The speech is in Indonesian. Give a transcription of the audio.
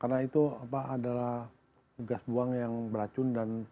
karena itu apa adalah gas buang yang beracun dan